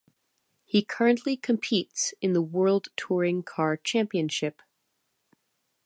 He currently competes in the World Touring Car Championship.